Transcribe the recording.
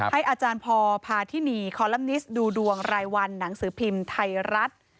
ให้อาจารย์พอพาทินีคอลัมนิสต์ดูดวงรายวันหนังสือพิมพ์ไทยรัฐ